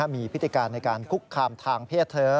มีพฤติการในการคุกคามทางเพศเธอ